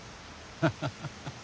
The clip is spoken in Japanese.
ハハハハ。